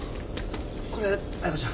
これ彩佳ちゃん。